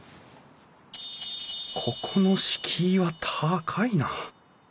ここの敷居は高いな！